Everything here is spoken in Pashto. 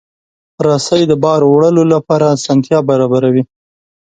رسۍ د بار وړلو لپاره اسانتیا برابروي.